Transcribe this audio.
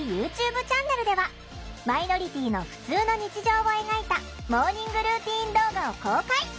チャンネルではマイノリティーのふつうの日常を描いたモーニングルーティン動画を公開！